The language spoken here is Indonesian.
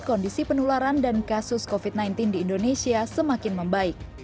kondisi penularan dan kasus covid sembilan belas di indonesia semakin membaik